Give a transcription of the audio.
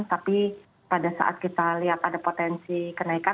tapi pada saat kita lihat ada potensi kenaikan